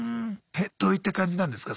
えどういった感じなんですか